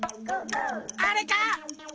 あれか？